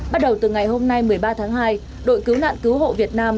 bắt đầu từ ngày hôm nay một mươi ba tháng hai đội cứu nạn cứu hộ việt nam